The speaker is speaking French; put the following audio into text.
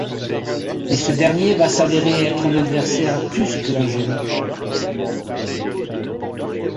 Mais ce dernier va s'avérer être un adversaire plus que dangereux.